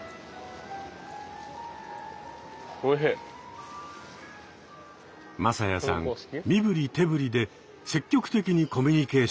２人は匡哉さん身振り手振りで積極的にコミュニケーションをはかります。